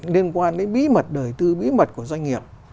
liên quan đến bí mật đời tư bí mật của doanh nghiệp